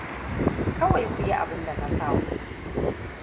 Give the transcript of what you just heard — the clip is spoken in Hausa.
Kawai ku yi abinda na saku.